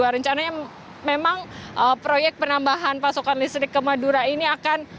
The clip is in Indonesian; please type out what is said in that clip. rencananya memang proyek penambahan pasokan listrik ke madura ini akan